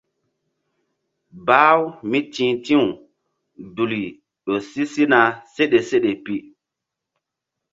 Bah-u mí ti̧h ti̧w duli ƴo si sina seɗe seɗe pi.